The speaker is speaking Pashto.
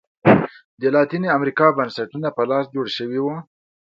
د لاتینې امریکا بنسټونه په لاس جوړ شوي وو.